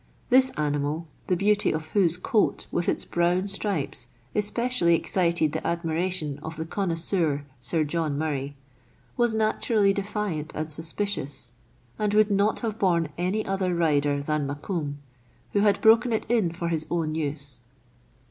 This animal (the beauty of whose coat with its brown stripes especially excited the admiration of the connoisseur Sir John Murray) was naturally defiant and suspicious, and would not have borne any other rider than Mokoum, who had broken it in for his own use.